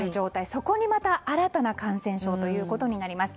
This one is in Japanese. そこにまた新たな感染症ということになります。